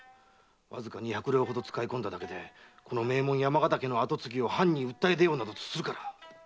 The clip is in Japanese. わずか二百両ほど使い込んだだけでこの名門・山形家の跡継ぎを藩に訴え出ようとするから。